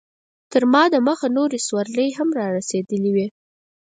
تر ما دمخه نورې سورلۍ هم رارسېدلې وې.